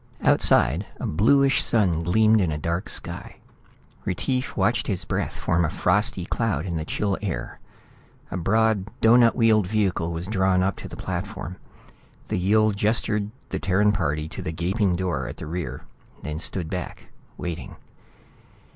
Outside, a bluish sun gleamed in a dark sky. Retief watched his breath form a frosty cloud in the chill air. A broad doughnut wheeled vehicle was drawn up to the platform. The Yill gestured the Terran party to the gaping door at the rear, then stood back, waiting.